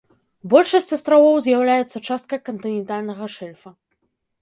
Большасць астравоў з'яўляюцца часткай кантынентальнага шэльфа.